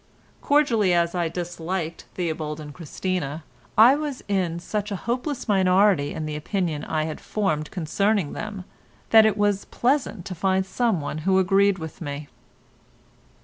Cordially as I disliked Theobald and Christina, I was in such a hopeless minority in the opinion I had formed concerning them that it was pleasant to find someone who agreed with me.